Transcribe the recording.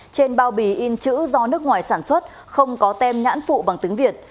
trên bao bì in chữ do nước ngoài sản xuất không có tem nhãn phụ bằng tiếng việt